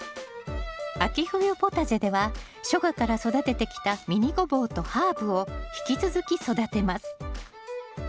秋冬ポタジェでは初夏から育ててきたミニゴボウとハーブを引き続き育てます。